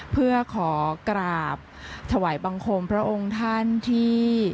เพื่อขอกราบถวายบังคมพระองค์ท่านที่